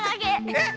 えっ？